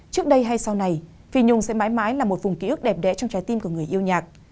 trước đây hay sau này phi nhung sẽ mãi mãi là một vùng ký ức đẹp đẽ trong trái tim của người yêu nhạc